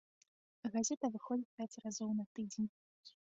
Газета выходзіць пяць разоў на тыдзень.